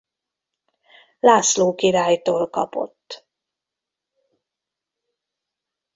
László királytól kapott.